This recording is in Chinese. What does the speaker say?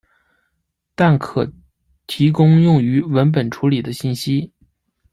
但可提供用于文本处理的信息。